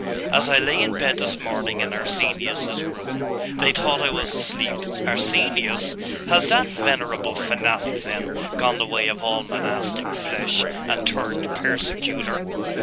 As I lay in bed this morning in Arsenius's room they thought I was asleep ' 'Arsenius? Has that venerable fanatic, then, gone the way of all monastic flesh, and turned persecutor?